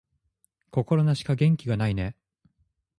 心なしか元気がないね